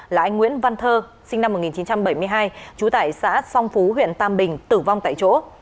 là anh nguyễn văn thơ sinh năm một nghìn chín trăm bảy mươi hai trú tại xã song phú huyện tam bình tử vong tại chỗ